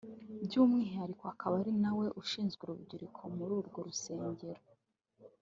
by’umwihariko akaba ari nawe ushinzwe urubyiruko muri urwo rusengero